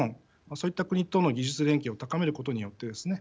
そういった国との技術連携を高めることによってですね